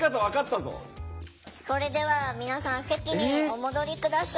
それでは皆さん席にお戻り下さい。